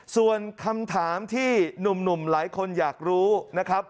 ส่วนคำถามที่หนุ่มหลายคนอยากรู้นะครับ